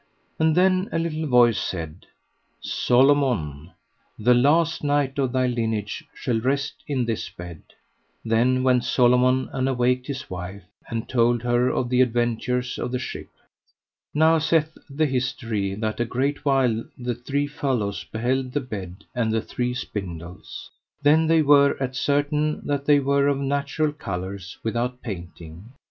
And then a little voice said: Solomon, the last knight of thy lineage shall rest in this bed. Then went Solomon and awaked his wife, and told her of the adventures of the ship. Now saith the history that a great while the three fellows beheld the bed and the three spindles. Then they were at certain that they were of natural colours without painting.